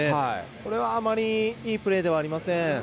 これはあまりいいプレーではありません。